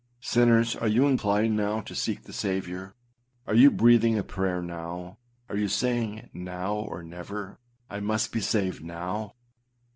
â Sinners, are you inclined now to seek the Saviour? are you breathing a prayer now? are you saying, âNow or never! I must be saved now?